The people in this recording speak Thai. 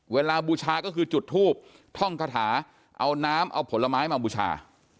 บูชาก็คือจุดทูบท่องคาถาเอาน้ำเอาผลไม้มาบูชา